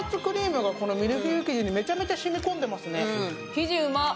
生地うまっ。